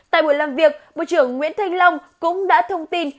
tại buổi làm việc bộ trưởng nguyễn thanh long cũng đã thông tin